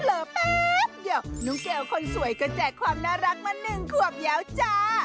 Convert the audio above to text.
เหลือแป๊บเดี๋ยวนุ้งเกลคนสวยก็แจกความน่ารักมาหนึ่งขวบยาวจ้า